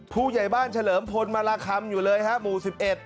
ผู้ใหญ่บ้านเฉลิมพลมาราคำอยู่เลยฮะหมู่๑๑